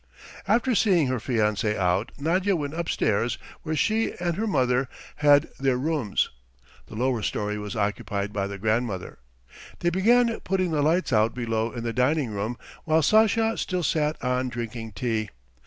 After seeing her fiancé out, Nadya went upstairs where she and her mother had their rooms (the lower storey was occupied by the grandmother). They began putting the lights out below in the dining room, while Sasha still sat on drinking tea.